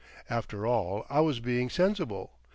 After all, I was being sensible.